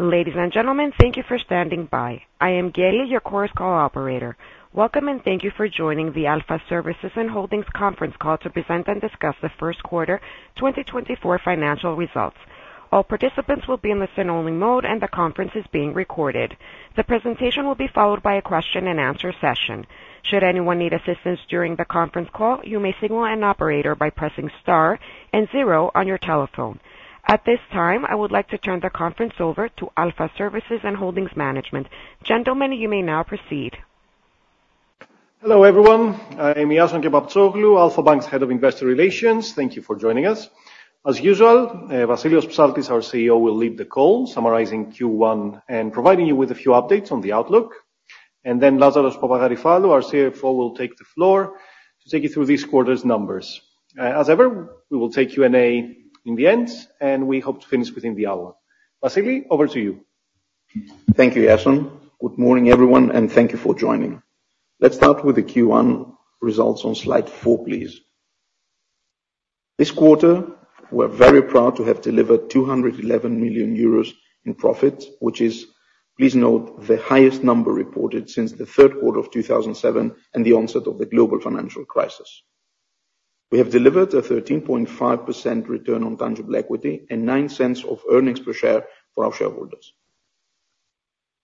Ladies and gentlemen, thank you for standing by. I am Gail, your Chorus Call operator. Welcome, and thank you for joining the Alpha Services and Holdings conference call to present and discuss the first quarter 2024 financial results. All participants will be in listen only mode, and the conference is being recorded. The presentation will be followed by a question and answer session. Should anyone need assistance during the conference call, you may signal an operator by pressing star and zero on your telephone. At this time, I would like to turn the conference over to Alpha Services and Holdings Management. Gentlemen, you may now proceed. Hello, everyone. I am Iason Kepaptsoglou, Alpha Bank's Head of Investor Relations. Thank you for joining us. As usual, Vassilios Psaltis, our CEO, will lead the call, summarizing Q1 and providing you with a few updates on the outlook. Then Lazaros Papagaryfallou, our CFO, will take the floor to take you through this quarter's numbers. As ever, we will take Q&A in the end, and we hope to finish within the hour. Vassilios, over to you. Thank you, Iason. Good morning, everyone, and thank you for joining. Let's start with the Q1 results on slide 4, please. This quarter, we're very proud to have delivered 211 million euros in profit, which is, please note, the highest number reported since the third quarter of 2007 and the onset of the global financial crisis. We have delivered a 13.5% return on tangible equity and 0.09 of earnings per share for our shareholders.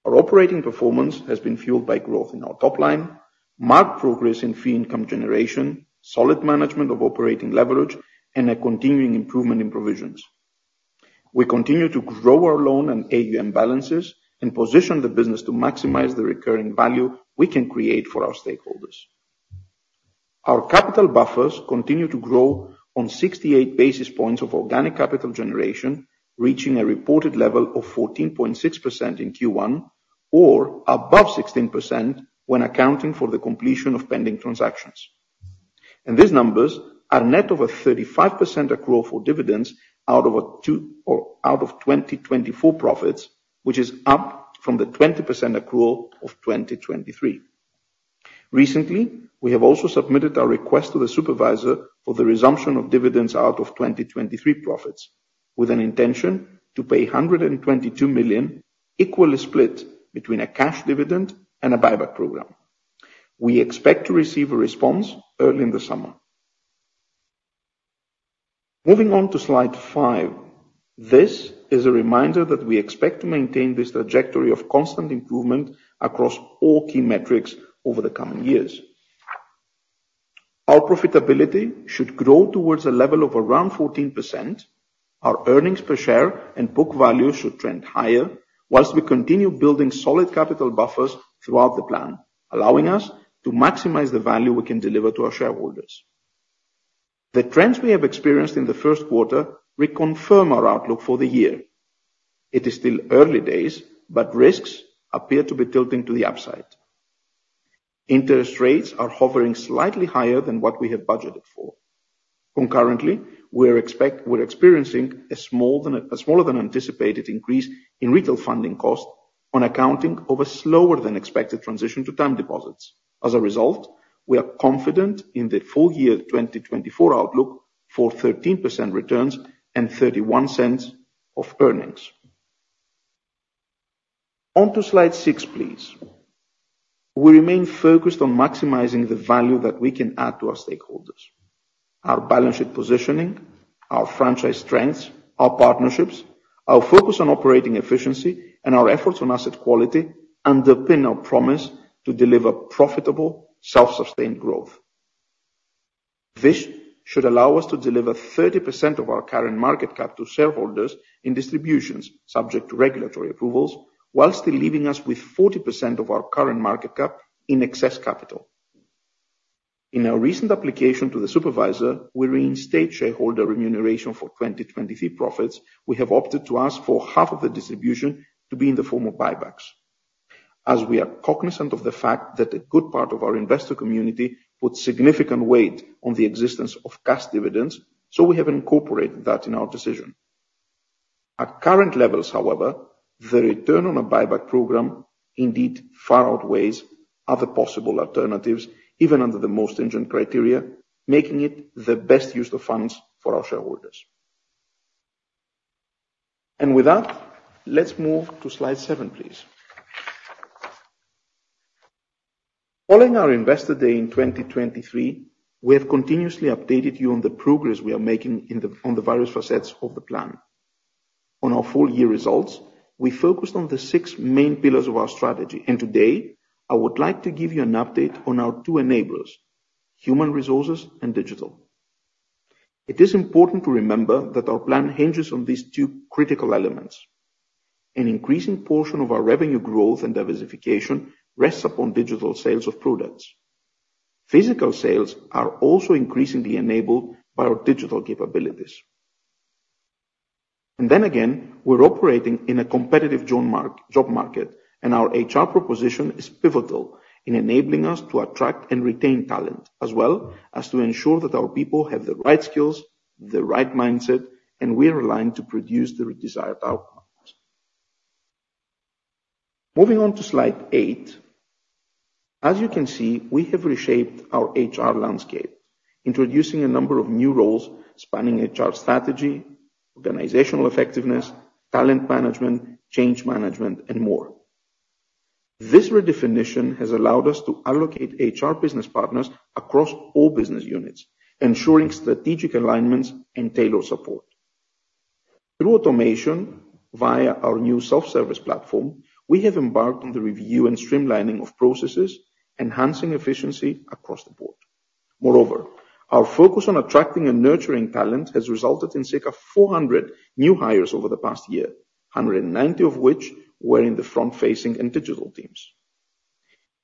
Our operating performance has been fueled by growth in our top line, marked progress in fee income generation, solid management of operating leverage, and a continuing improvement in provisions. We continue to grow our loan and AUM balances and position the business to maximize the recurring value we can create for our stakeholders. Our capital buffers continue to grow on 68 basis points of organic capital generation, reaching a reported level of 14.6% in Q1, or above 16% when accounting for the completion of pending transactions. These numbers are net of a 35% accrual for dividends out of 2024 profits, which is up from the 20% accrual of 2023. Recently, we have also submitted our request to the supervisor for the resumption of dividends out of 2023 profits, with an intention to pay 122 million equally split between a cash dividend and a buyback program. We expect to receive a response early in the summer. Moving on to slide 5. This is a reminder that we expect to maintain this trajectory of constant improvement across all key metrics over the coming years. Our profitability should grow towards a level of around 14%. Our earnings per share and book value should trend higher, while we continue building solid capital buffers throughout the plan, allowing us to maximize the value we can deliver to our shareholders. The trends we have experienced in the first quarter reconfirm our outlook for the year. It is still early days, but risks appear to be tilting to the upside. Interest rates are hovering slightly higher than what we have budgeted for. Concurrently, we're experiencing a smaller than anticipated increase in retail funding costs on account of a slower than expected transition to time deposits. As a result, we are confident in the full-year 2024 outlook for 13% returns and 0.31 of earnings. On to slide six, please. We remain focused on maximizing the value that we can add to our stakeholders. Our balance sheet positioning, our franchise strengths, our partnerships, our focus on operating efficiency, and our efforts on asset quality underpin our promise to deliver profitable, self-sustained growth. This should allow us to deliver 30% of our current market cap to shareholders in distributions, subject to regulatory approvals, while still leaving us with 40% of our current market cap in excess capital. In our recent application to the supervisor, we reinstate shareholder remuneration for 2023 profits. We have opted to ask for half of the distribution to be in the form of buybacks, as we are cognizant of the fact that a good part of our investor community put significant weight on the existence of cash dividends, so we have incorporated that in our decision. At current levels, however, the return on a buyback program indeed far outweighs other possible alternatives, even under the most stringent criteria, making it the best use of funds for our shareholders. With that, let's move to slide seven, please. Following our Investor Day in 2023, we have continuously updated you on the progress we are making on the various facets of the plan. On our full-year results, we focused on the six main pillars of our strategy, and today I would like to give you an update on our two enablers, human resources and digital. It is important to remember that our plan hinges on these two critical elements. An increasing portion of our revenue growth and diversification rests upon digital sales of products. Physical sales are also increasingly enabled by our digital capabilities. Then again, we're operating in a competitive job market, and our HR proposition is pivotal in enabling us to attract and retain talent, as well as to ensure that our people have the right skills, the right mindset, and we are aligned to produce the desired outcomes. Moving on to slide 8. As you can see, we have reshaped our HR landscape, introducing a number of new roles spanning HR strategy, organizational effectiveness, talent management, change management, and more. This redefinition has allowed us to allocate HR business partners across all business units, ensuring strategic alignments and tailored support. Through automation, via our new self-service platform, we have embarked on the review and streamlining of processes, enhancing efficiency across the board. Moreover, our focus on attracting and nurturing talent has resulted in seeking 400 new hires over the past year, 190 of which were in the front-facing and digital teams.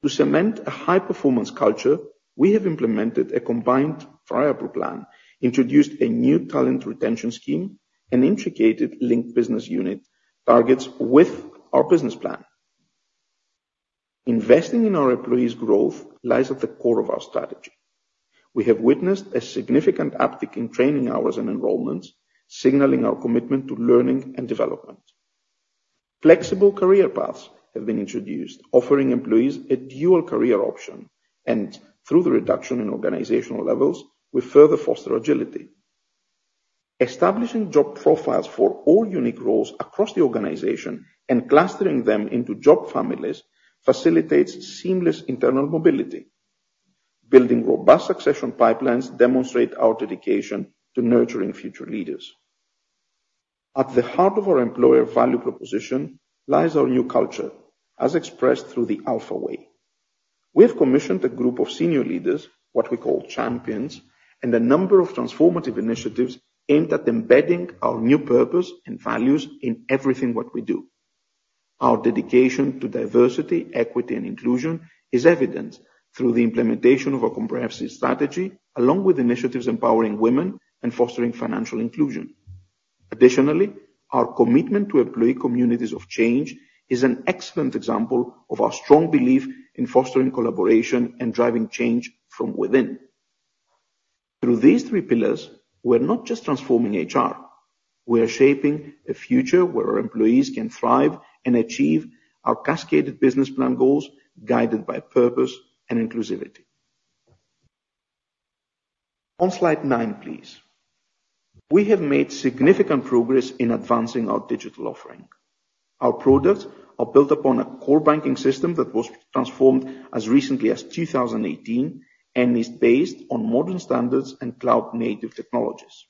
To cement a high performance culture, we have implemented a combined variable plan, introduced a new talent retention scheme, and integrated linked business unit targets with our business plan. Investing in our employees' growth lies at the core of our strategy. We have witnessed a significant uptick in training hours and enrollments, signaling our commitment to learning and development. Flexible career paths have been introduced, offering employees a dual career option, and through the reduction in organizational levels, we further foster agility. Establishing job profiles for all unique roles across the organization and clustering them into job families facilitates seamless internal mobility. Building robust succession pipelines demonstrate our dedication to nurturing future leaders. At the heart of our employer value proposition lies our new culture, as expressed through the Alpha Way. We have commissioned a group of senior leaders, what we call champions, and a number of transformative initiatives aimed at embedding our new purpose and values in everything what we do. Our dedication to diversity, equity, and inclusion is evident through the implementation of a comprehensive strategy, along with initiatives empowering women and fostering financial inclusion. Additionally, our commitment to employee communities of change is an excellent example of our strong belief in fostering collaboration and driving change from within. Through these three pillars, we're not just transforming HR, we are shaping a future where our employees can thrive and achieve our cascaded business plan goals, guided by purpose and inclusivity. On slide 9, please. We have made significant progress in advancing our digital offering. Our products are built upon a core banking system that was transformed as recently as 2018, and is based on modern standards and cloud native technologies.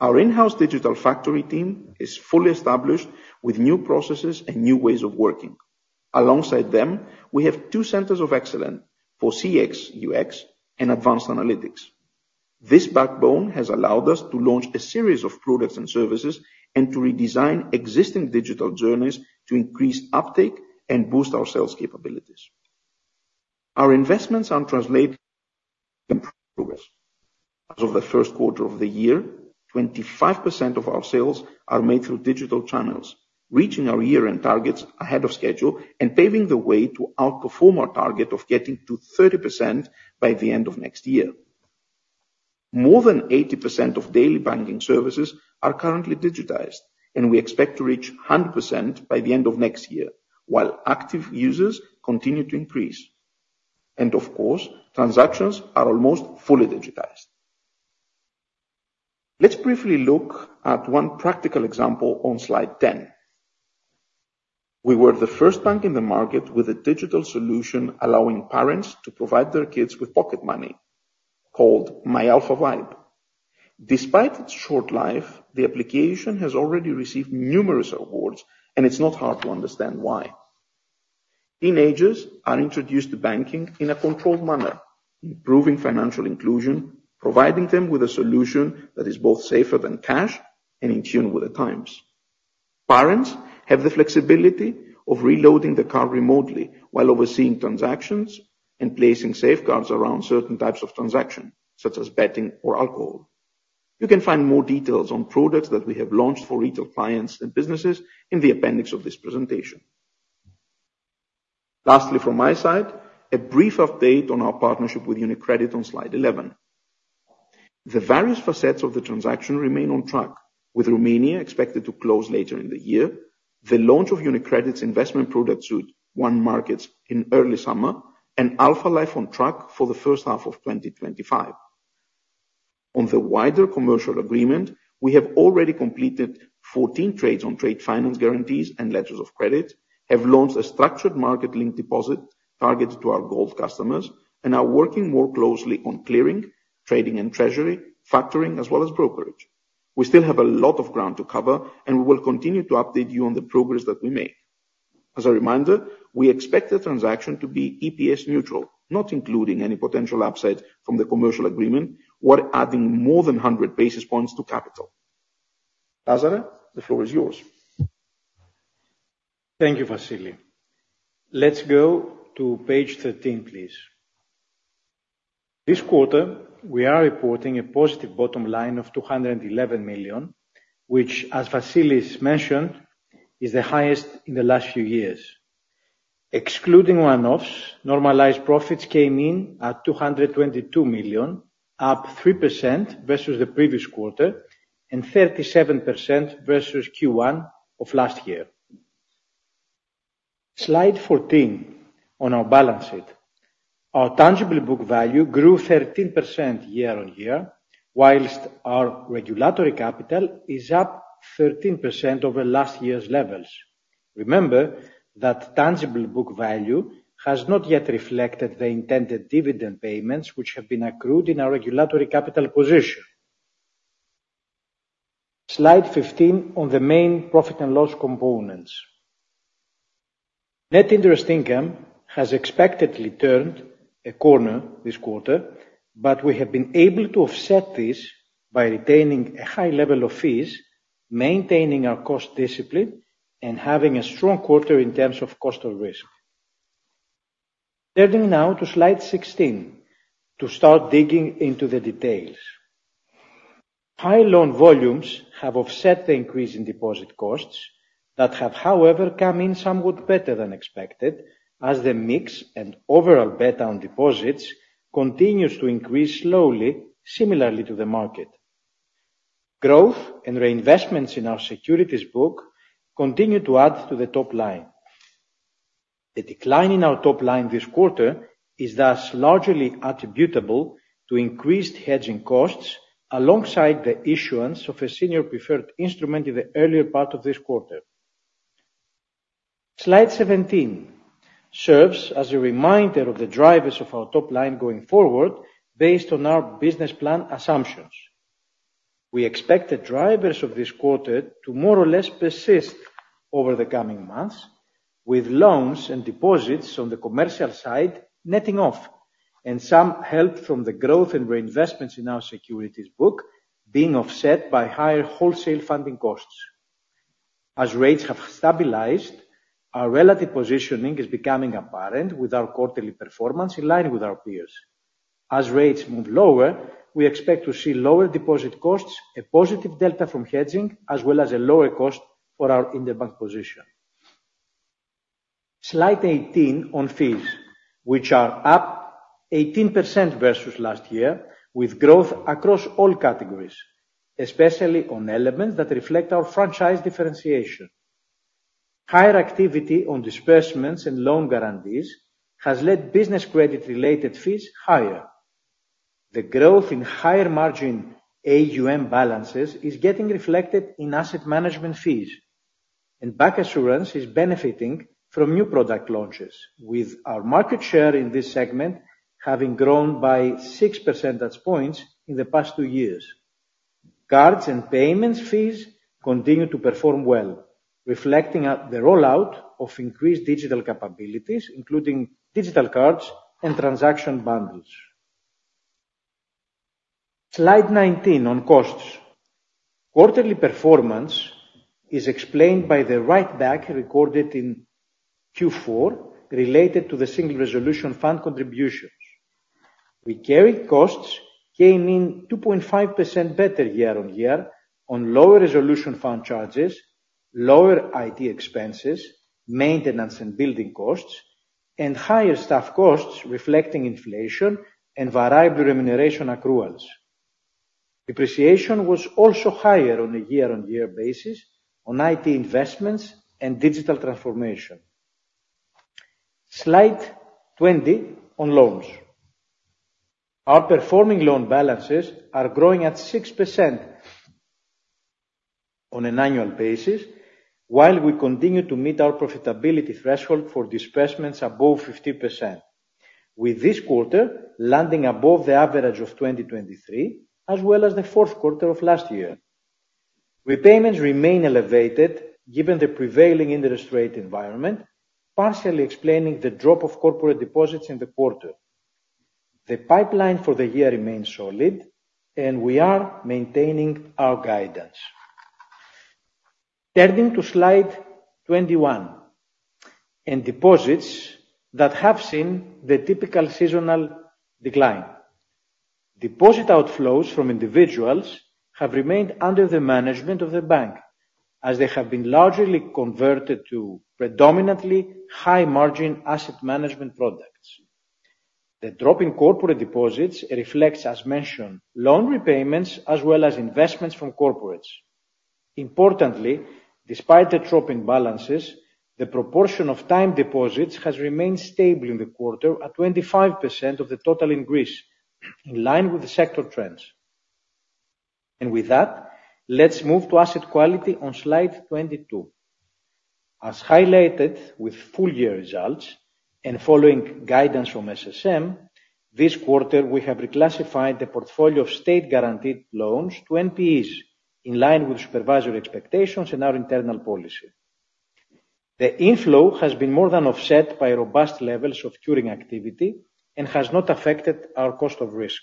Our in-house digital factory team is fully established with new processes and new ways of working. Alongside them, we have two centers of excellence for CX, UX, and advanced analytics. This backbone has allowed us to launch a series of products and services, and to redesign existing digital journeys to increase uptake and boost our sales capabilities. Our investments are translating progress. As of the first quarter of the year, 25% of our sales are made through digital channels, reaching our year-end targets ahead of schedule, and paving the way to outperform our target of getting to 30% by the end of next year. More than 80% of daily banking services are currently digitized, and we expect to reach 100% by the end of next year, while active users continue to increase. Of course, transactions are almost fully digitized. Let's briefly look at one practical example on slide 10. We were the first bank in the market with a digital solution, allowing parents to provide their kids with pocket money, called myAlpha Vibe. Despite its short life, the application has already received numerous awards, and it's not hard to understand why. Teenagers are introduced to banking in a controlled manner, improving financial inclusion, providing them with a solution that is both safer than cash and in tune with the times. Parents have the flexibility of reloading the card remotely while overseeing transactions and placing safeguards around certain types of transaction, such as betting or alcohol. You can find more details on products that we have launched for retail clients and businesses in the appendix of this presentation. Lastly, from my side, a brief update on our partnership with UniCredit on slide 11. The various facets of the transaction remain on track, with Romania expected to close later in the year, the launch of UniCredit's investment product suite onemarkets in early summer, and Alpha Life on track for the first half of 2025. On the wider commercial agreement, we have already completed 14 trades on trade finance guarantees and letters of credit, have launched a structured market link deposit targeted to our gold customers, and are working more closely on clearing, trading and treasury, factoring, as well as brokerage. We still have a lot of ground to cover, and we will continue to update you on the progress that we make. As a reminder, we expect the transaction to be EPS neutral, not including any potential upside from the commercial agreement, while adding more than 100 basis points to capital. Lazaros, the floor is yours. Thank you, Vassilios. Let's go to page 13, please. This quarter, we are reporting a positive bottom line of 211 million, which, as Vassilios mentioned, is the highest in the last few years. Excluding one-offs, normalized profits came in at 222 million, up 3% versus the previous quarter, and 37% versus Q1 of last year. Slide 14 on our balance sheet. Our tangible book value grew 13% year-on-year, while our regulatory capital is up 13% over last year's levels. Remember that tangible book value has not yet reflected the intended dividend payments, which have been accrued in our regulatory capital position. Slide 15 on the main profit and loss components. Net interest income has expectedly turned a corner this quarter, but we have been able to offset this by retaining a high level of fees, maintaining our cost discipline, and having a strong quarter in terms of cost of risk. Turning now to slide 16 to start digging into the details. High loan volumes have offset the increase in deposit costs that have, however, come in somewhat better than expected, as the mix and overall bet on deposits continues to increase slowly, similarly to the market. Growth and reinvestments in our securities book continue to add to the top line. The decline in our top line this quarter is thus largely attributable to increased hedging costs, alongside the issuance of a senior preferred instrument in the earlier part of this quarter. Slide 17 serves as a reminder of the drivers of our top line going forward based on our business plan assumptions. We expect the drivers of this quarter to more or less persist over the coming months, with loans and deposits on the commercial side netting off, and some help from the growth and reinvestments in our securities book being offset by higher wholesale funding costs. As rates have stabilized, our relative positioning is becoming apparent, with our quarterly performance in line with our peers. As rates move lower, we expect to see lower deposit costs, a positive delta from hedging, as well as a lower cost for our interbank position. Slide 18 on fees, which are up 18% versus last year, with growth across all categories, especially on elements that reflect our franchise differentiation. Higher activity on disbursements and loan guarantees has led business credit-related fees higher. The growth in higher margin AUM balances is getting reflected in asset management fees, and bancassurance is benefiting from new product launches, with our market share in this segment having grown by six percentage points in the past two years. Cards and payments fees continue to perform well, reflecting at the rollout of increased digital capabilities, including digital cards and transaction bundles. Slide 19 on costs. Quarterly performance is explained by the write back recorded in Q4, related to the Single Resolution Fund contributions. We carried costs, came in 2.5% better year-on-year on lower resolution fund charges, lower IT expenses, maintenance and building costs, and higher staff costs, reflecting inflation and variable remuneration accruals. Depreciation was also higher on a year-on-year basis on IT investments and digital transformation. Slide 20 on loans. Our performing loan balances are growing at 6% on an annual basis, while we continue to meet our profitability threshold for disbursements above 15%, with this quarter landing above the average of 2023, as well as the fourth quarter of last year. Repayments remain elevated given the prevailing interest rate environment, partially explaining the drop of corporate deposits in the quarter. The pipeline for the year remains solid, and we are maintaining our guidance. Turning to slide 21, deposits that have seen the typical seasonal decline. Deposit outflows from individuals have remained under the management of the bank, as they have been largely converted to predominantly high margin asset management products. The drop in corporate deposits reflects, as mentioned, loan repayments as well as investments from corporates. Importantly, despite the drop in balances, the proportion of time deposits has remained stable in the quarter at 25% of the total increase, in line with the sector trends. With that, let's move to asset quality on slide 22. As highlighted with full year results and following guidance from SSM, this quarter, we have reclassified the portfolio of state-guaranteed loans to NPEs, in line with supervisory expectations and our internal policy. The inflow has been more than offset by robust levels of curing activity and has not affected our cost of risk.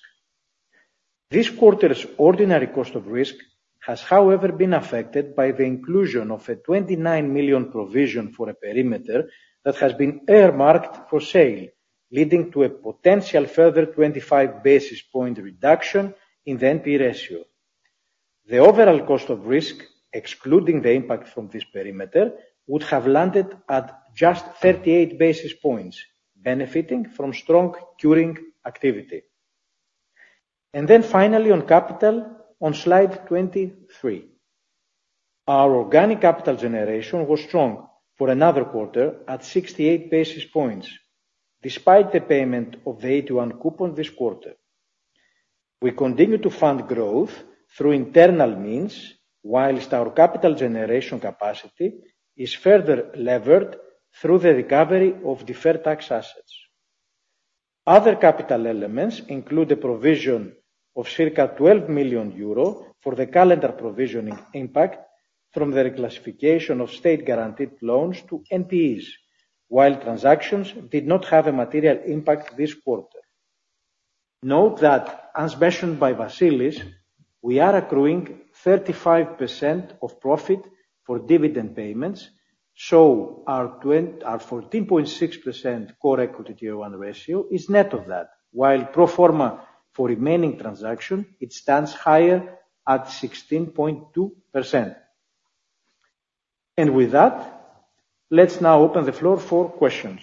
This quarter's ordinary cost of risk has, however, been affected by the inclusion of a 29 million provision for a perimeter that has been earmarked for sale, leading to a potential further 25 basis point reduction in the NPE ratio. The overall cost of risk, excluding the impact from this perimeter, would have landed at just 38 basis points, benefiting from strong curing activity. Then finally, on capital, on slide 23. Our organic capital generation was strong for another quarter at 68 basis points, despite the payment of the AT1 coupon this quarter. We continue to fund growth through internal means, while our capital generation capacity is further levered through the recovery of deferred tax assets. Other capital elements include a provision of circa 12 million euro for the calendar provisioning impact from the reclassification of state guaranteed loans to NPEs, while transactions did not have a material impact this quarter. Note that as mentioned by Vassilios, we are accruing 35% of profit for dividend payments, so our 14.6% core equity tier one ratio is net of that, while pro forma for remaining transaction, it stands higher at 16.2%. With that, let's now open the floor for questions.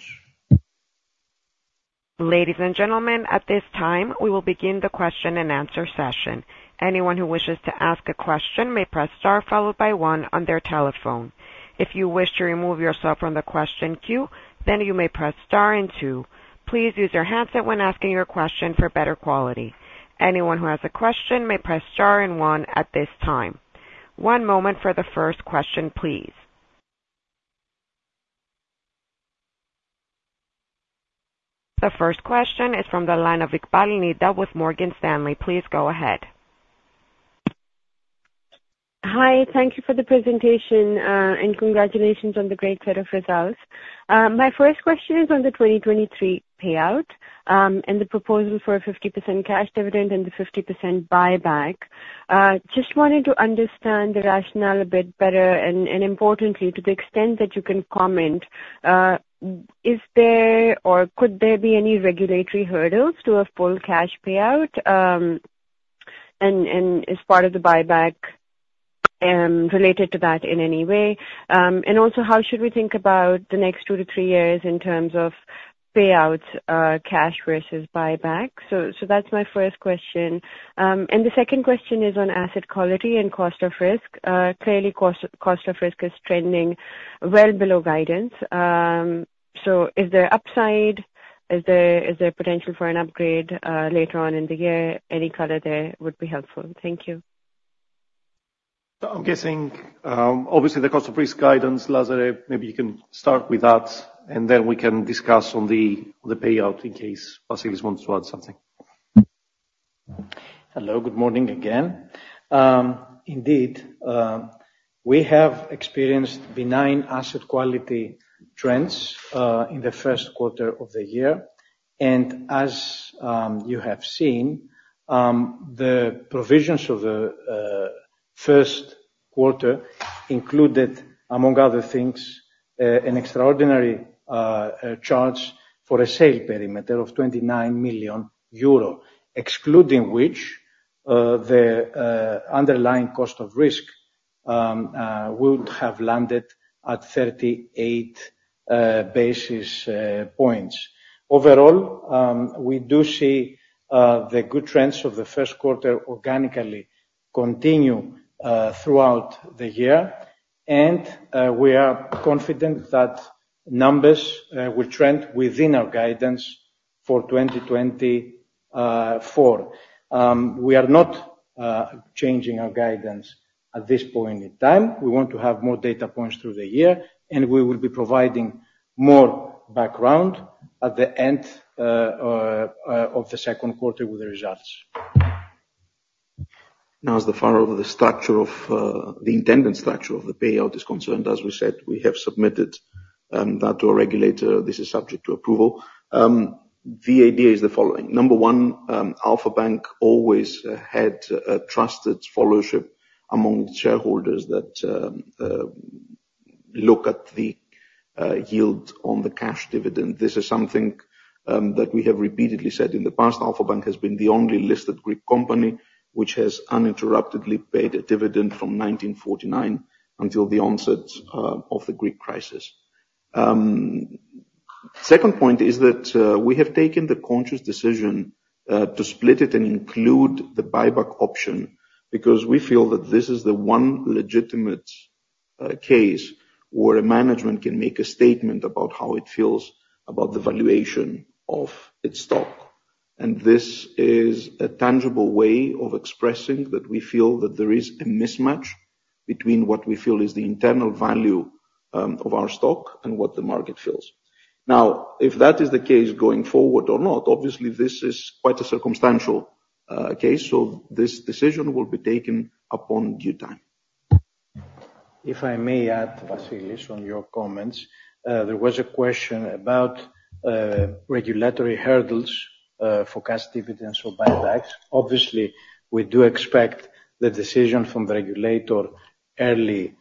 Ladies and gentlemen, at this time, we will begin the question and answer session. Anyone who wishes to ask a question may press star followed by one on their telephone. If you wish to remove yourself from the question queue, then you may press star and two. Please use your handset when asking your question for better quality. Anyone who has a question may press star and one at this time. One moment for the first question, please. The first question is from the line of Nida Iqbal with Morgan Stanley. Please go ahead. Hi, thank you for the presentation, and congratulations on the great set of results. My first question is on the 2023 payout, and the proposal for a 50% cash dividend and the 50% buyback. Just wanted to understand the rationale a bit better, and importantly, to the extent that you can comment, is there or could there be any regulatory hurdles to a full cash payout? And is part of the buyback related to that in any way? And also, how should we think about the next 2 years-3 years in terms of payouts, cash versus buyback? So that's my first question. And the second question is on asset quality and cost of risk. Clearly, cost of risk is trending well below guidance. So is there upside? Is there, is there potential for an upgrade, later on in the year? Any color there would be helpful. Thank you. I'm guessing, obviously, the cost of risk guidance, Lazaros, maybe you can start with that, and then we can discuss on the payout in case Vassilios wants to add something. Hello, good morning again. Indeed, we have experienced benign asset quality trends in the first quarter of the year. As you have seen, the provisions of the first quarter included, among other things, an extraordinary charge for a sale perimeter of 29 million euro. Excluding which, the underlying cost of risk would have landed at 38 basis points. Overall, we do see the good trends of the first quarter organically continue throughout the year, and we are confident that numbers will trend within our guidance for 2024. We are not changing our guidance at this point in time. We want to have more data points through the year, and we will be providing more background at the end of the second quarter with the results. Now, as far as the structure of the intended structure of the payout is concerned, as we said, we have submitted that to our regulator. This is subject to approval. The idea is the following: number one, Alpha Bank always had a trusted followership among shareholders that look at the yield on the cash dividend. This is something that we have repeatedly said in the past. Alpha Bank has been the only listed Greek company which has uninterruptedly paid a dividend from 1949 until the onset of the Greek crisis. Second point is that we have taken the conscious decision to split it and include the buyback option, because we feel that this is the one legitimate case where a management can make a statement about how it feels about the valuation of its stock. This is a tangible way of expressing that we feel that there is a mismatch between what we feel is the internal value of our stock and what the market feels. Now, if that is the case, going forward or not, obviously this is quite a circumstantial case, so this decision will be taken upon due time. If I may add, Vasilis, on your comments, there was a question about regulatory hurdles for cash dividends or buybacks. Obviously, we do expect the decision from the regulator early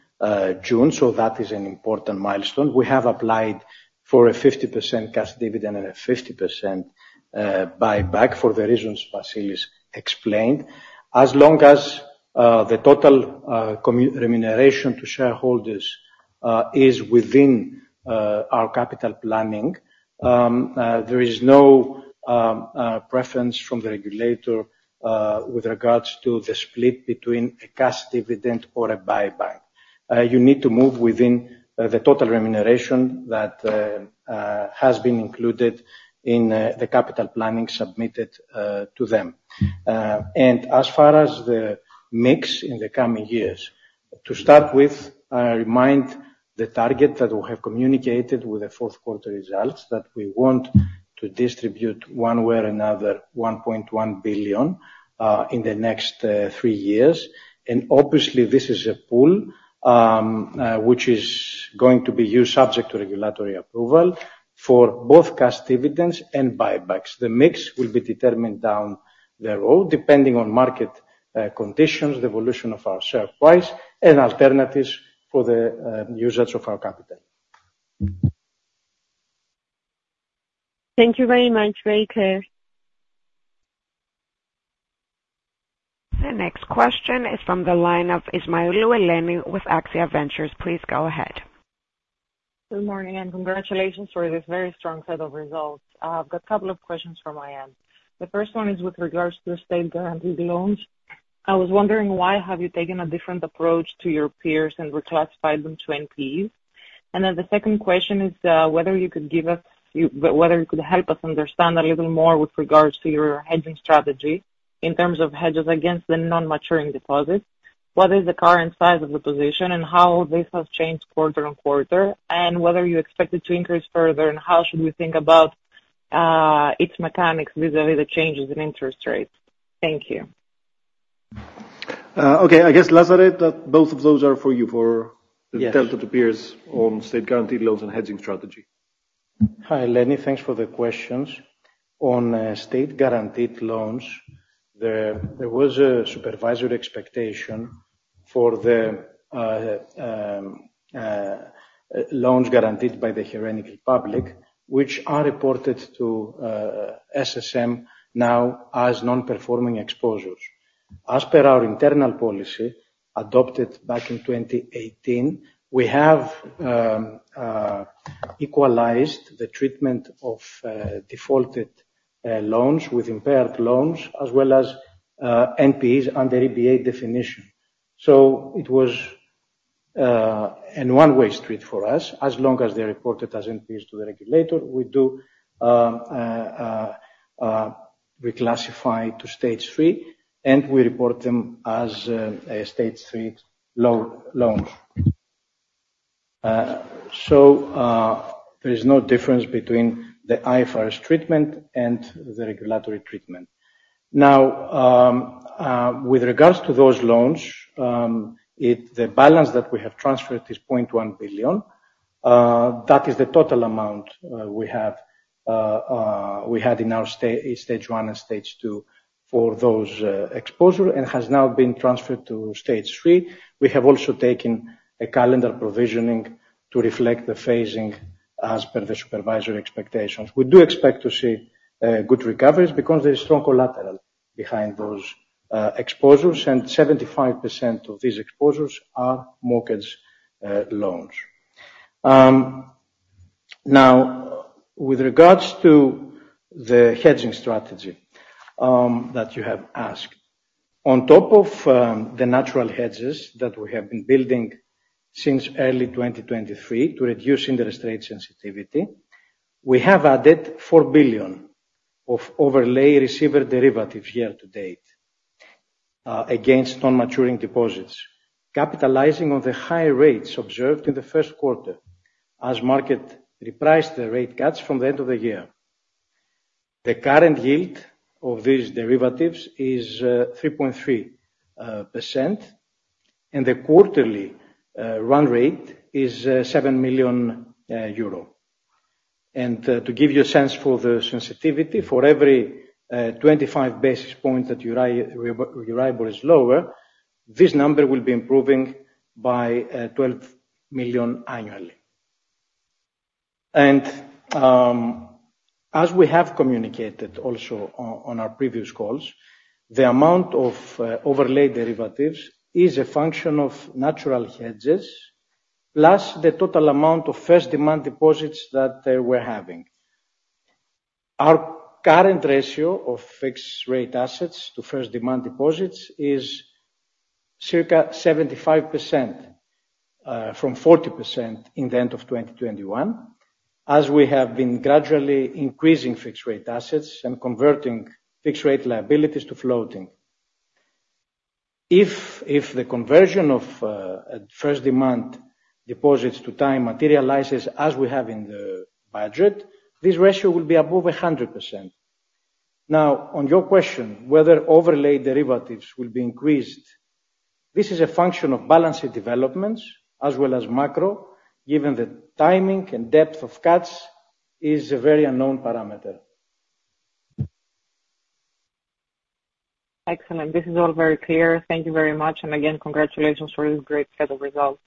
June, so that is an important milestone. We have applied for a 50% cash dividend and a 50% buyback, for the reasons Vasilis explained. As long as the total remuneration to shareholders is within our capital planning. There is no preference from the regulator with regards to the split between a cash dividend or a buyback. You need to move within the total remuneration that has been included in the capital planning submitted to them. As far as the mix in the coming years, to start with, I remind the target that we have communicated with the fourth quarter results, that we want to distribute one way or another, 1.1 billion in the next three years. Obviously, this is a pool which is going to be used subject to regulatory approval for both cash dividends and buybacks. The mix will be determined down the road, depending on market conditions, the evolution of our share price, and alternatives for the usage of our capital. Thank you very much. Very clear. The next question is from the line of Eleni Ismailou with Axia Ventures. Please go ahead. Good morning, and congratulations for this very strong set of results. I've got a couple of questions from my end. The first one is with regards to the state guaranteed loans. I was wondering, why have you taken a different approach to your peers and reclassified them to NPs? And then the second question is, whether you could give us, whether you could help us understand a little more with regards to your hedging strategy in terms of hedges against the non-maturing deposits. What is the current size of the position, and how this has changed quarter-on-quarter? And whether you expect it to increase further, and how should we think about, its mechanics vis-à-vis the changes in interest rates? Thank you. Okay. I guess, Lazaros, that both of those are for you. Yes. The delta to peers on state guaranteed loans and hedging strategy. Hi, Eleni. Thanks for the questions. On state guaranteed loans, there was a supervisory expectation for the loans guaranteed by the Hellenic Republic, which are reported to SSM now as non-performing exposures. As per our internal policy, adopted back in 2018, we have equalized the treatment of defaulted loans with impaired loans, as well as NPs under EBA definition. So it was a one-way street for us. As long as they're reported as NPs to the regulator, we do reclassify to stage three, and we report them as a stage three loan. There is no difference between the IFRS treatment and the regulatory treatment. Now, with regards to those loans, the balance that we have transferred is 0.1 billion. That is the total amount we had in our stage one and stage two for those exposures, and has now been transferred to stage three. We have also taken a calendar provisioning to reflect the phasing as per the supervisory expectations. We do expect to see good recoveries because there is strong collateral behind those exposures, and 75% of these exposures are mortgage loans. Now, with regards to the hedging strategy that you have asked. On top of the natural hedges that we have been building since early 2023 to reduce interest rate sensitivity, we have added 4 billion of overlay receiver derivatives year to date against non-maturing deposits, capitalizing on the high rates observed in the first quarter as market repriced the rate cuts from the end of the year. The current yield of these derivatives is 3.3%, and the quarterly run rate is 7 million euro. To give you a sense for the sensitivity, for every 25 basis points that your IBOR is lower, this number will be improving by 12 million annually. And as we have communicated also on our previous calls, the amount of overlay derivatives is a function of natural hedges, plus the total amount of first demand deposits that they were having. Our current ratio of fixed rate assets to first demand deposits is circa 75%, from 40% in the end of 2021, as we have been gradually increasing fixed rate assets and converting fixed rate liabilities to floating. If the conversion of first demand deposits to time materializes as we have in the budget, this ratio will be above 100%. Now, on your question, whether overlay derivatives will be increased, this is a function of balancing developments as well as macro, given the timing and depth of cuts is a very unknown parameter. Excellent. This is all very clear. Thank you very much, and again, congratulations for this great set of results.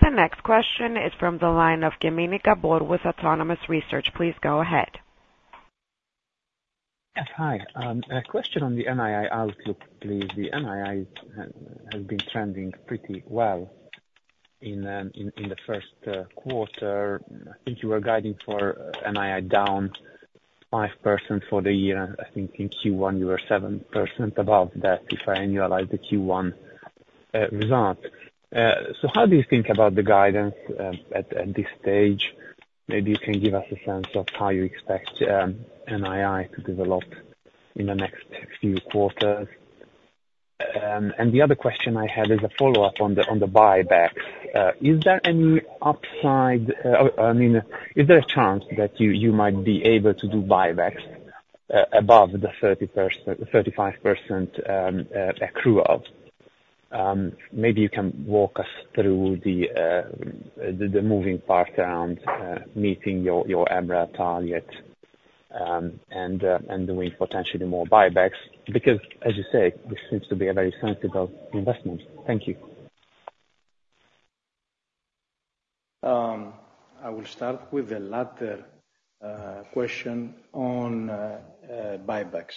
The next question is from the line of Gabor Kemeny with Autonomous Research. Please go ahead. Yes, hi. A question on the NII outlook, please. The NII has been trending pretty well in the first quarter. I think you were guiding for NII down 5% for the year. I think in Q1, you were 7% above that, if I annualize the Q1 result. So how do you think about the guidance at this stage? Maybe you can give us a sense of how you expect NII to develop in the next few quarters. And the other question I had is a follow-up on the buyback. Is there any upside, or, I mean, is there a chance that you might be able to do buybacks above the 30%, 35% accrual? Maybe you can walk us through the moving parts around meeting your MREL target and doing potentially more buybacks. Because, as you say, this seems to be a very sensible investment. Thank you. I will start with the latter question on buybacks.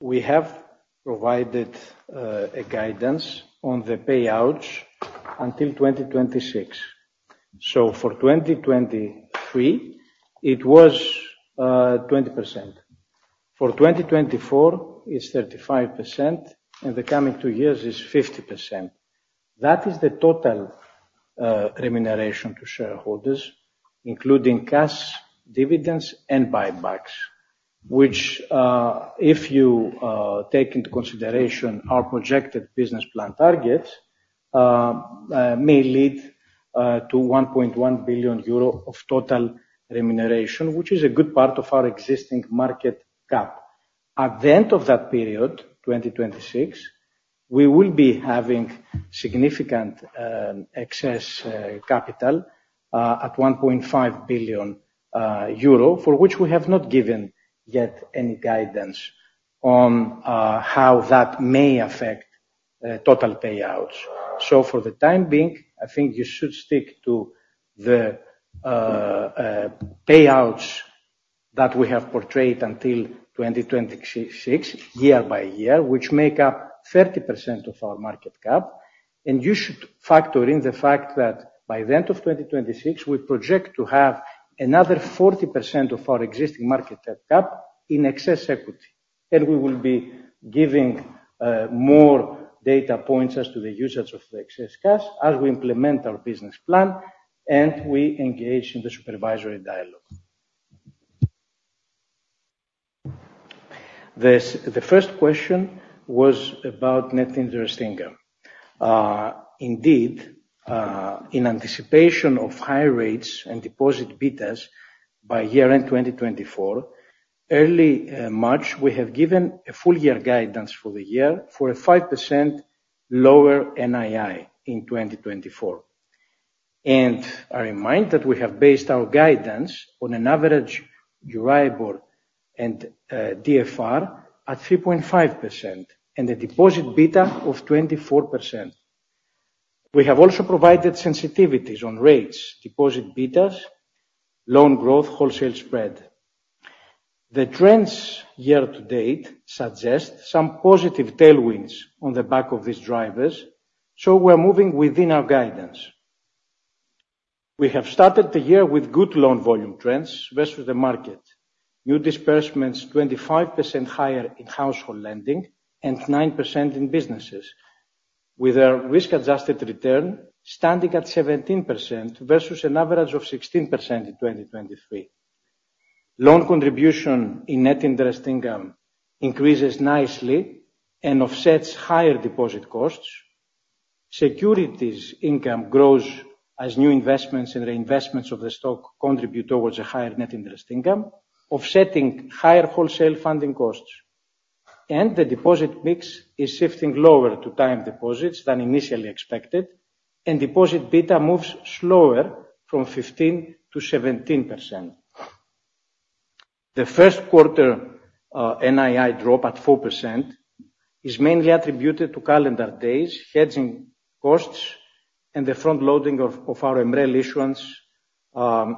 We have provided a guidance on the payouts until 2026. So for 2023, it was 20%. For 2024, it's 35%, and the coming two years is 50%. That is the total remuneration to shareholders, including cash, dividends, and buybacks, which, if you take into consideration our projected business plan targets, may lead to 1.1 billion euro of total remuneration, which is a good part of our existing market cap. At the end of that period, 2026, we will be having significant excess capital at 1.5 billion euro, for which we have not given yet any guidance on how that may affect total payouts. So for the time being, I think you should stick to the payouts that we have portrayed until 2026, year by year, which make up 30% of our market cap. And you should factor in the fact that by the end of 2026, we project to have another 40% of our existing market cap, cap in excess equity. And we will be giving more data points as to the usage of the excess cash as we implement our business plan and we engage in the supervisory dialogue. The first question was about net interest income. Indeed, in anticipation of high rates and deposit betas by year-end 2024, early March, we have given a full year guidance for the year for a 5% lower NII in 2024. I remind that we have based our guidance on an average EURIBOR and, DFR at 3.5%, and a deposit beta of 24%. We have also provided sensitivities on rates, deposit betas, loan growth, wholesale spread. The trends year to date suggest some positive tailwinds on the back of these drivers, so we're moving within our guidance. We have started the year with good loan volume trends versus the market. New disbursements 25% higher in household lending and 9% in businesses, with our risk-adjusted return standing at 17% versus an average of 16% in 2023. Loan contribution in net interest income increases nicely and offsets higher deposit costs. Securities income grows as new investments and reinvestments of the stock contribute towards a higher net interest income, offsetting higher wholesale funding costs. The deposit mix is shifting lower to time deposits than initially expected, and deposit beta moves slower from 15%-17%. The first quarter NII drop at 4% is mainly attributed to calendar days, hedging costs, and the front loading of our MREL issuance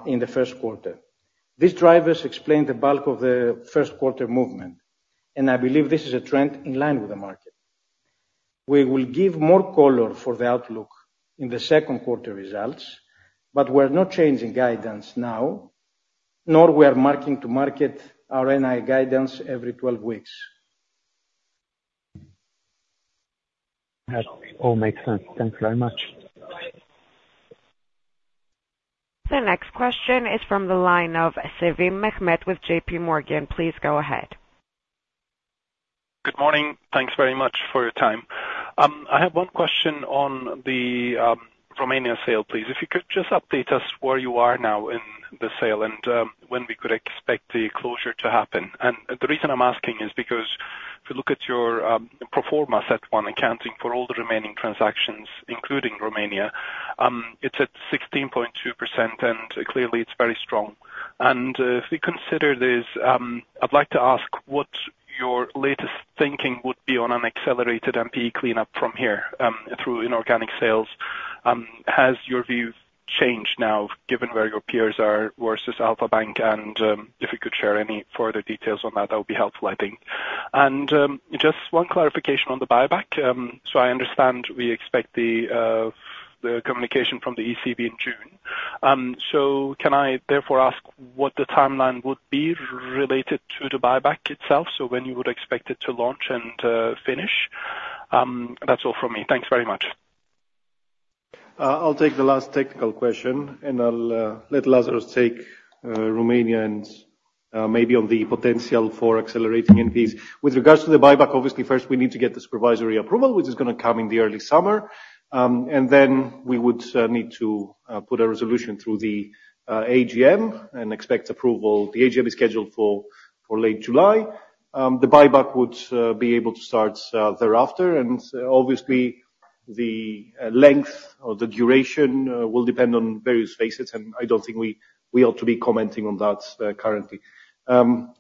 in the first quarter. These drivers explain the bulk of the first quarter movement, and I believe this is a trend in line with the market. We will give more color for the outlook in the second quarter results, but we're not changing guidance now, nor we are marking to market our NII guidance every 12 weeks. That all makes sense. Thanks very much. The next question is from the line of Mehmet Sevim with JPMorgan. Please go ahead. Good morning. Thanks very much for your time. I have one question on the Romanian sale, please. If you could just update us where you are now in the sale, and when we could expect the closure to happen. And the reason I'm asking is because if you look at your pro forma CET1 on accounting for all the remaining transactions, including Romania, it's at 16.2%, and clearly it's very strong. And if we consider this, I'd like to ask what your latest thinking would be on an accelerated NPE cleanup from here through inorganic sales. Has your view changed now, given where your peers are versus Alpha Bank? And if you could share any further details on that, that would be helpful, I think. And just one clarification on the buyback. So I understand we expect the communication from the ECB in June. So can I therefore ask what the timeline would be related to the buyback itself? So when you would expect it to launch and finish? That's all from me. Thanks very much. I'll take the last technical question, and I'll let Lazaros take Romania and maybe on the potential for accelerating NPEs. With regards to the buyback, obviously, first, we need to get the supervisory approval, which is gonna come in the early summer. And then we would need to put a resolution through the AGM and expect approval. The AGM is scheduled for late July. The buyback would be able to start thereafter, and obviously, the length or the duration will depend on various phases, and I don't think we ought to be commenting on that currently. And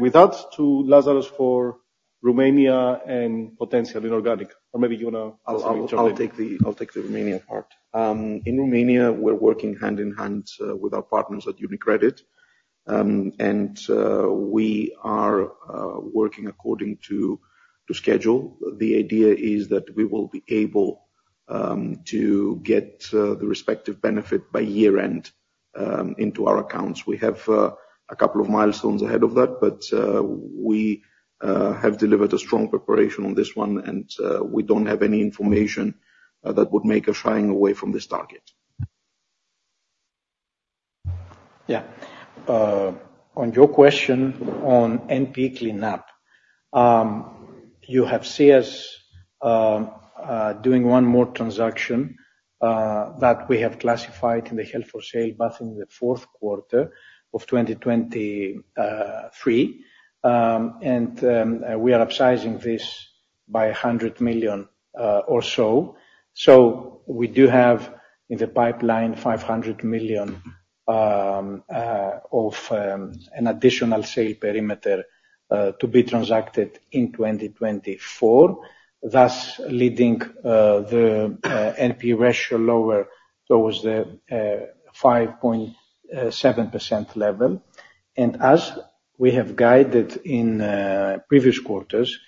with that, to Lazaros for Romania and potential inorganic, or maybe you wanna- I'll take the Romanian part. In Romania, we're working hand in hand with our partners at UniCredit, and we are working according to schedule. The idea is that we will be able to get the respective benefit by year-end into our accounts. We have a couple of milestones ahead of that, but we have delivered a strong preparation on this one, and we don't have any information that would make us shy away from this target. Yeah. On your question on NP cleanup, you have seen us doing one more transaction that we have classified in the held for sale back in the fourth quarter of 2023. We are upsizing this by 100 million or so. We do have, in the pipeline, 500 million of an additional sale perimeter to be transacted in 2024, thus leading the NP ratio lower towards the 5.7% level. And as we have guided in previous quarters,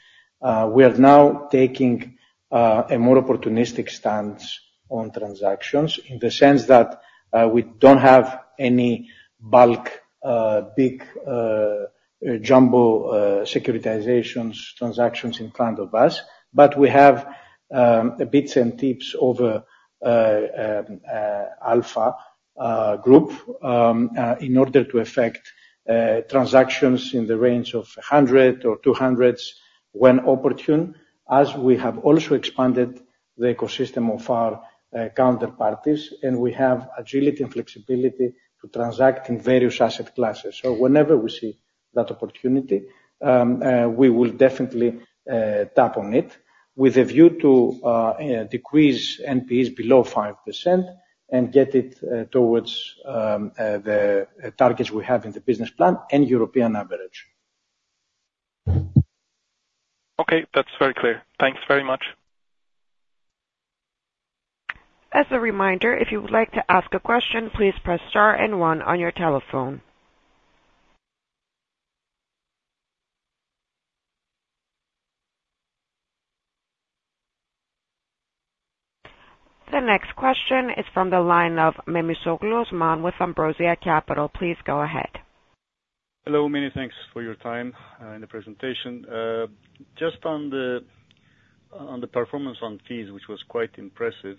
we are now taking a more opportunistic stance on transactions, in the sense that we don't have any bulk big jumbo securitizations transactions in front of us, but we have bits and pieces over Alpha Group in order to effect transactions in the range of 100 or 200s when opportune, as we have also expanded the ecosystem of our counterparties, and we have agility and flexibility to transact in various asset classes. So whenever we see that opportunity, we will definitely tap on it with a view to decrease NPEs below 5% and get it towards the targets we have in the business plan and European average. Okay, that's very clear. Thanks very much. As a reminder, if you would like to ask a question, please press star and one on your telephone. The next question is from the line of Mimis Ogliosman with Ambrosia Capital. Please go ahead. Hello, many thanks for your time and the presentation. Just on the performance on fees, which was quite impressive,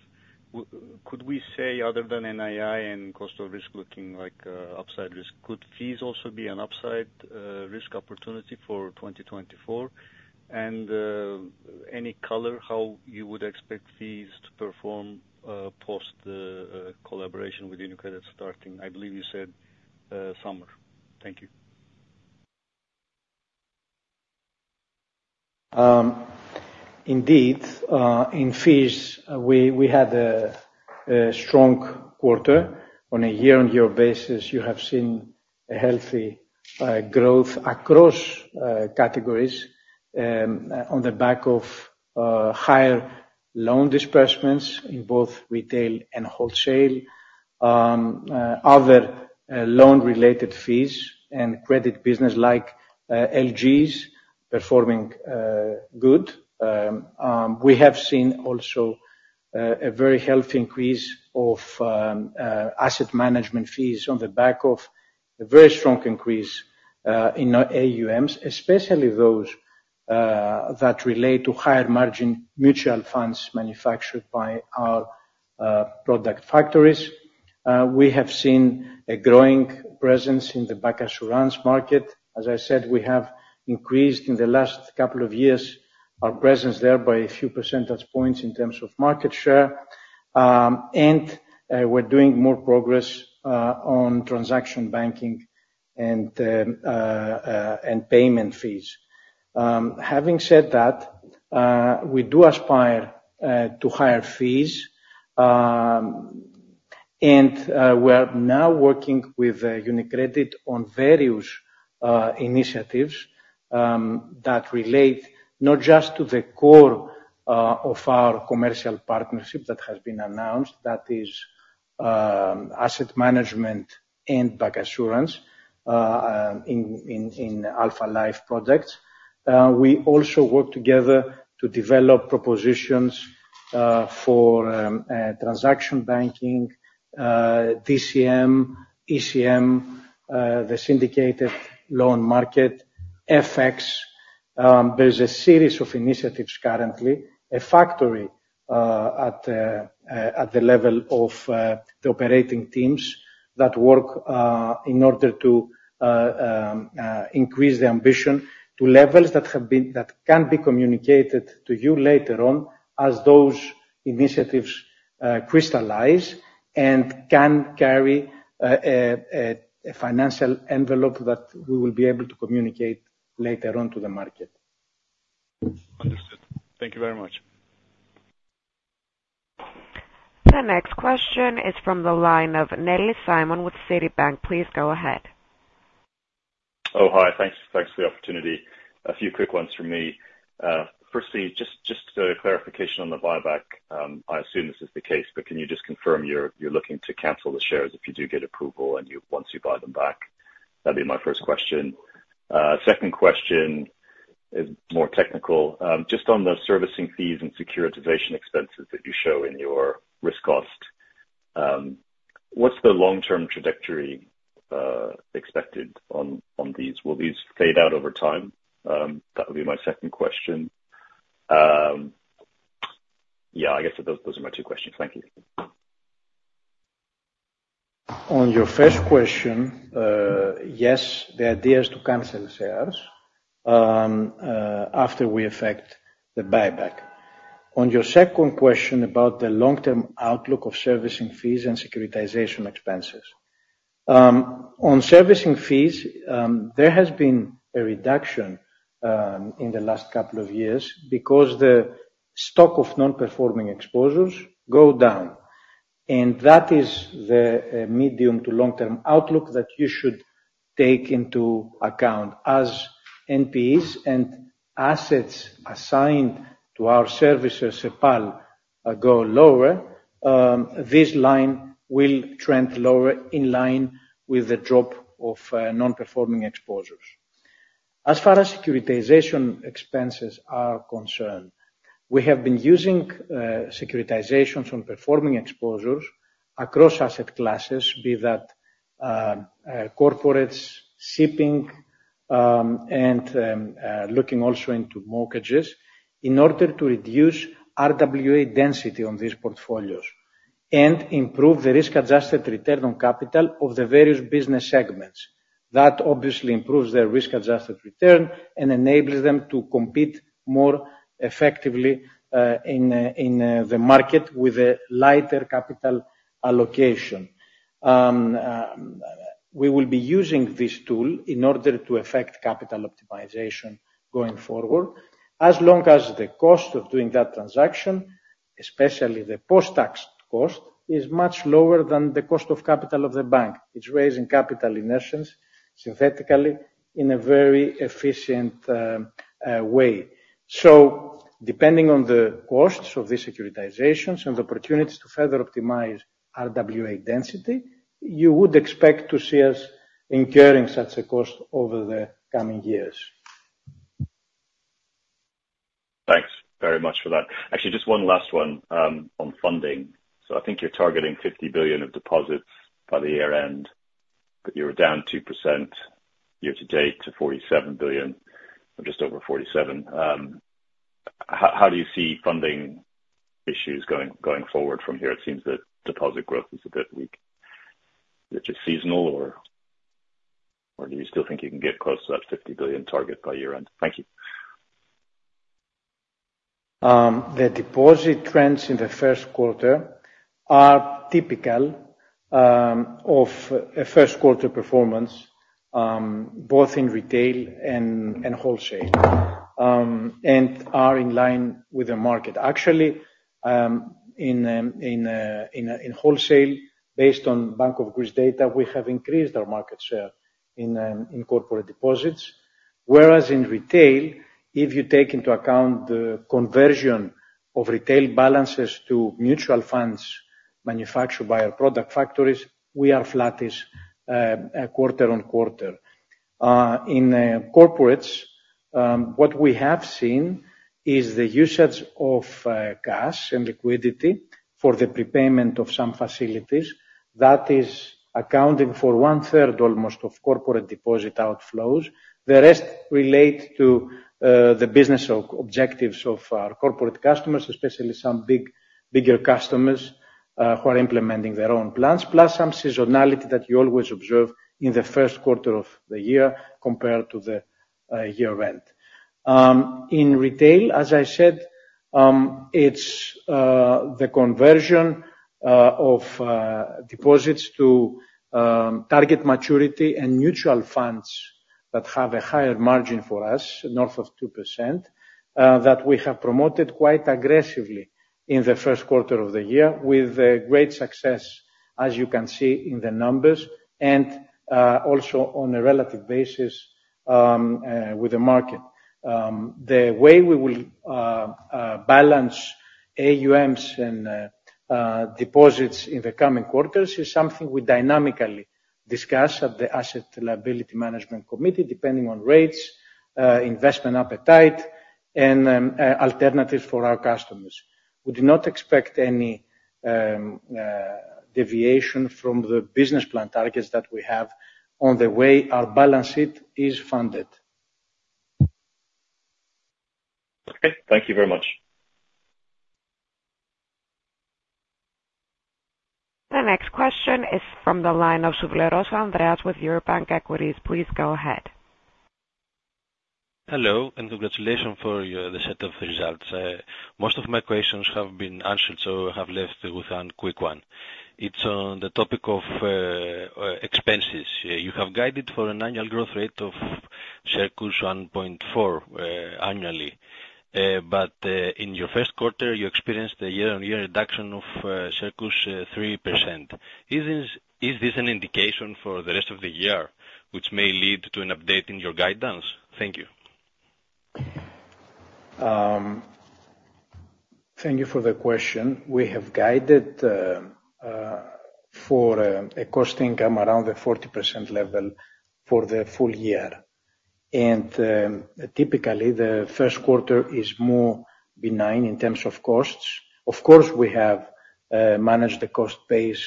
could we say other than NII and cost of risk looking like upside risk, could fees also be an upside risk opportunity for 2024? And, any color how you would expect fees to perform post the collaboration with UniCredit starting, I believe you said, summer? Thank you. Indeed, in fees, we had a strong quarter. On a year-over-year basis, you have seen a healthy growth across categories, on the back of higher loan disbursements in both retail and wholesale. Other loan-related fees and credit business like LGs performing good. We have seen also a very healthy increase of asset management fees on the back of a very strong increase in our AUMs, especially those that relate to higher margin mutual funds manufactured by our product factories. We have seen a growing presence in the bancassurance market. As I said, we have increased in the last couple of years, our presence there by a few percentage points in terms of market share. We're doing more progress on transaction banking and payment fees. Having said that, we do aspire to higher fees. And, we are now working with UniCredit on various initiatives that relate not just to the core of our commercial partnership that has been announced, that is, asset management and bank assurance in Alpha Life projects. We also work together to develop propositions for transaction banking, DCM, ECM, the syndicated loan market, FX. There's a series of initiatives currently, a factory, at the level of the operating teams that work in order to increase the ambition to levels that can be communicated to you later on as those initiatives crystallize, and can carry a financial envelope that we will be able to communicate later on to the market. Understood. Thank you very much. The next question is from the line of Nellis Simon with Citibank. Please go ahead. Oh, hi. Thanks, thanks for the opportunity. A few quick ones from me. Firstly, just a clarification on the buyback. I assume this is the case, but can you just confirm you're looking to cancel the shares if you do get approval, and once you buy them back? That'd be my first question. Second question is more technical. Just on the servicing fees and securitization expenses that you show in your risk cost, what's the long-term trajectory expected on these? Will these fade out over time? Yeah, I guess those are my two questions. Thank you. On your first question, yes, the idea is to cancel shares after we effect the buyback. On your second question about the long-term outlook of servicing fees and securitization expenses. On servicing fees, there has been a reduction in the last couple of years because the stock of non-performing exposures go down, and that is the medium to long-term outlook that you should take into account. As NPEs and assets assigned to our servicer, Cepal, go lower, this line will trend lower in line with the drop of non-performing exposures. As far as securitization expenses are concerned, we have been using securitizations from performing exposures across asset classes, be that corporates, shipping and looking also into mortgages, in order to reduce RWA density on these portfolios and improve the risk-adjusted return on capital of the various business segments. That obviously improves their risk-adjusted return and enables them to compete more effectively in the market with a lighter capital allocation. We will be using this tool in order to affect capital optimization going forward, as long as the cost of doing that transaction, especially the post-tax cost, is much lower than the cost of capital of the bank. It's raising capital in essence, synthetically, in a very efficient way. Depending on the costs of these securitizations and the opportunities to further optimize RWA density, you would expect to see us incurring such a cost over the coming years. Thanks very much for that. Actually, just one last one on funding. So I think you're targeting 50 billion of deposits by year-end, but you're down 2% year-to-date to 47 billion, or just over 47 billion. How do you see funding issues going forward from here? It seems that deposit growth is a bit weak. Is it just seasonal, or do you still think you can get close to that 50 billion target by year-end? Thank you. The deposit trends in the first quarter are typical of a first quarter performance, both in retail and wholesale, and are in line with the market. Actually, in wholesale, based on Bank of Greece data, we have increased our market share in corporate deposits. Whereas in retail, if you take into account the conversion of retail balances to mutual funds manufactured by our product factories, we are flattish quarter on quarter. In corporates, what we have seen is the usage of cash and liquidity for the prepayment of some facilities. That is accounting for one third, almost, of corporate deposit outflows. The rest relate to the business objectives of our corporate customers, especially some big, bigger customers who are implementing their own plans, plus some seasonality that you always observe in the first quarter of the year compared to the year-end. In retail, as I said, it's the conversion of deposits to target maturity and mutual funds.... that have a higher margin for us, north of 2%, that we have promoted quite aggressively in the first quarter of the year, with great success, as you can see in the numbers, and also on a relative basis with the market. The way we will balance AUMs and deposits in the coming quarters is something we dynamically discuss at the Asset Liability Management Committee, depending on rates, investment appetite, and alternatives for our customers. We do not expect any deviation from the business plan targets that we have on the way our balance sheet is funded. Okay, thank you very much. The next question is from the line of Andreas Souvleros with Eurobank Equities. Please go ahead. Hello, and congratulations for your, the set of results. Most of my questions have been answered, so I have left with one quick one. It's on the topic of expenses. You have guided for an annual growth rate of around 1.4 annually. But in your first quarter, you experienced a year-on-year reduction of around 3%. Is this an indication for the rest of the year, which may lead to an update in your guidance? Thank you. Thank you for the question. We have guided for a cost income around the 40% level for the full year. Typically, the first quarter is more benign in terms of costs. Of course, we have managed the cost base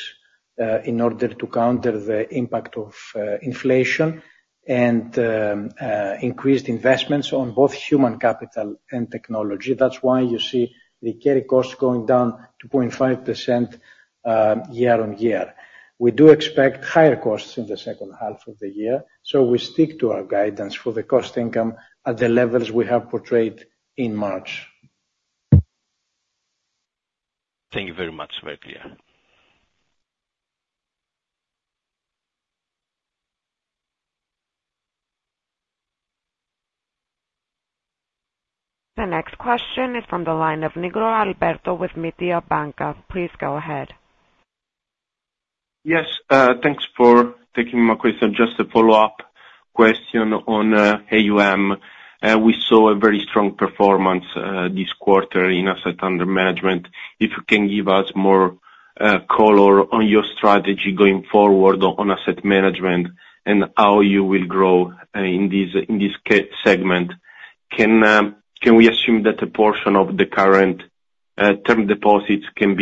in order to counter the impact of inflation and increased investments on both human capital and technology. That's why you see the carry costs going down 2.5%, year-on-year. We do expect higher costs in the second half of the year, so we stick to our guidance for the cost income at the levels we have portrayed in March. Thank you very much. Very clear. The next question is from the line of Alberto Nigro with Mediobanca. Please go ahead. Yes, thanks for taking my question. Just a follow-up question on AUM. We saw a very strong performance this quarter in asset under management. If you can give us more color on your strategy going forward on asset management and how you will grow in this segment. Can we assume that a portion of the current term deposits can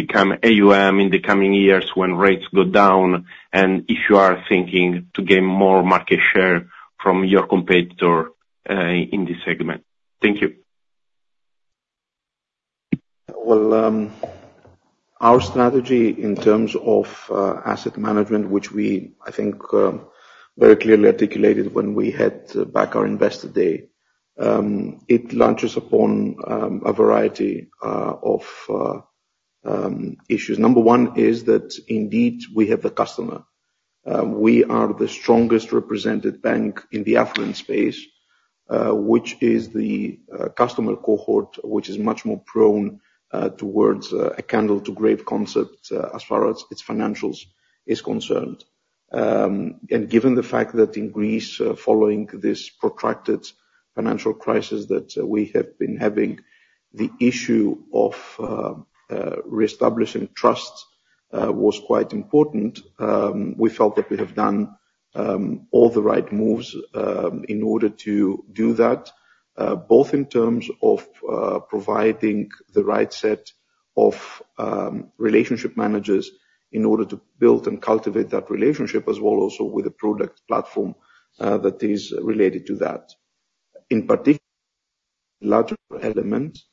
become AUM in the coming years when rates go down, and if you are thinking to gain more market share from your competitor in this segment? Thank you. Well, our strategy in terms of asset management, which we, I think, very clearly articulated when we had back our investor day, it launches upon a variety of issues. Number one is that indeed, we have the customer. We are the strongest represented bank in the affluent space, which is the customer cohort, which is much more prone towards a candle-to-grave concept as far as its financials is concerned. And given the fact that in Greece, following this protracted financial crisis that we have been having, the issue of reestablishing trust was quite important, we felt that we have done all the right moves in order to do that, both in terms of providing the right set of relationship managers in order to build and cultivate that relationship, as well as also with the product platform that is related to that. In particular, larger elements,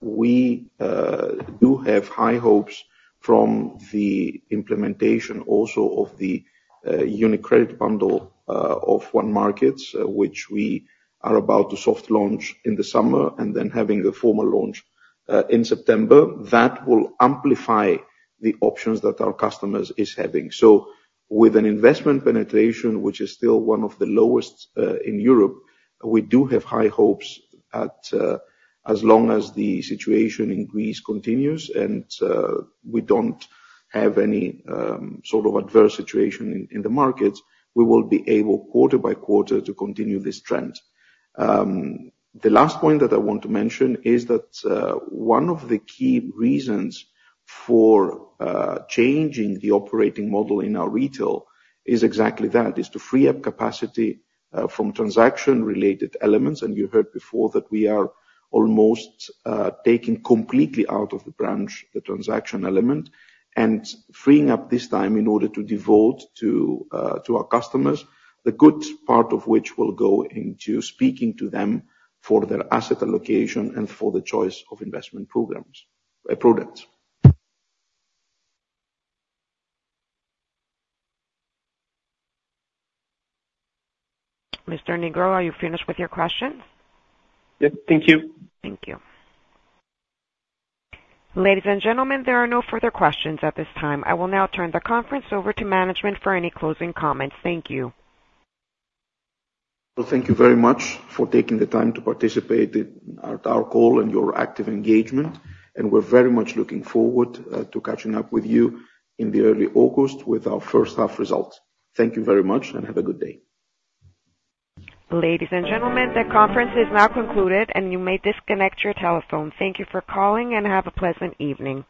we do have high hopes from the implementation also of the UniCredit bundle of onemarkets, which we are about to soft launch in the summer, and then having the formal launch in September. That will amplify the options that our customers is having. With an investment penetration, which is still one of the lowest in Europe, we do have high hopes at, as long as the situation in Greece continues and we don't have any sort of adverse situation in the markets, we will be able, quarter by quarter, to continue this trend. The last point that I want to mention is that one of the key reasons for changing the operating model in our retail is exactly that, is to free up capacity from transaction-related elements. You heard before that we are almost taking completely out of the branch the transaction element, and freeing up this time in order to devote to our customers, the good part of which will go into speaking to them for their asset allocation and for the choice of investment programs, products. Mr. Nigro, are you finished with your questions? Yes. Thank you. Thank you. Ladies and gentlemen, there are no further questions at this time. I will now turn the conference over to management for any closing comments. Thank you. Well, thank you very much for taking the time to participate in our call and your active engagement, and we're very much looking forward to catching up with you in the early August with our first half results. Thank you very much, and have a good day. Ladies and gentlemen, the conference is now concluded, and you may disconnect your telephone. Thank you for calling, and have a pleasant evening.